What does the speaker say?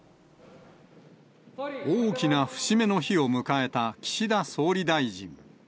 大きな節目の日を迎えた岸田総理大臣。